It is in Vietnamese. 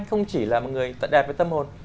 không chỉ là một người đẹp với tâm hồn